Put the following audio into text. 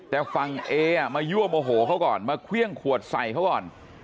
แต่ฝั่งเอมายั่วโมโหเขาก่อนมาเครื่องขวดใส่เขาก่อน